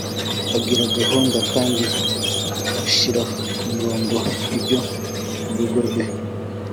ugira gahunda kandi ushyira ku murongo ibyo mu rugo rwe